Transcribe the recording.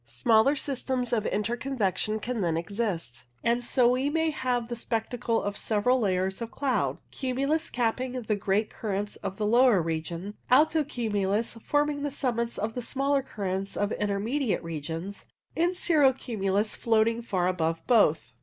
Smaller systems of inter convection can then exist, and so we may have 128 WAVE CLOUDS the spectacle of several layers of cloud — cumulus capping the great currents of lower regions, alto cumulus forming the summits of the smaller cur rents of intermediate regions, and cirro cumulus floating far above both.